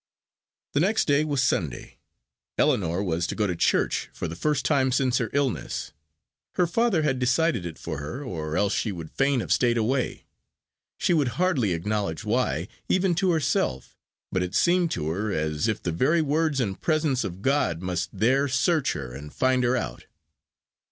The next day was Sunday; Ellinor was to go to church for the first time since her illness. Her father had decided it for her, or else she would fain have stayed away she would hardly acknowledge why, even to herself, but it seemed to her as if the very words and presence of God must there search her and find her out.